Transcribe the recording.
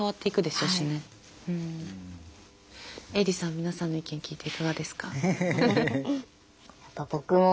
皆さんの意見聞いていかがですか？